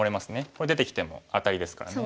これ出てきてもアタリですからね。